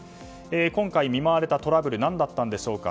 今回、見舞われたトラブル何だったんでしょうか。